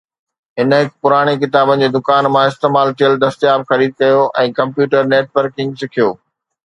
هن هڪ پراڻي ڪتابن جي دڪان مان استعمال ٿيل دستياب خريد ڪيو ۽ ڪمپيوٽر نيٽ ورڪنگ سکيو.